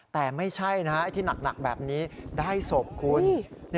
แต่ไม่ใช่นะไอ้ที่หนักแบบนี้ได้ศพคุณ